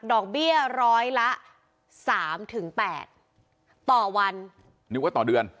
ดอกเบี้ยร้อยละ๓๘ต่อวันนึกว่าต่อเดือน